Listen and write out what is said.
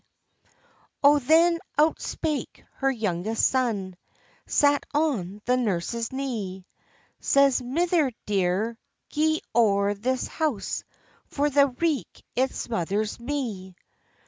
Oh, then out spake her youngest son, Sat on the nurse's knee: Says—"Mither dear, gi'e o'er this house, For the reek it smothers me."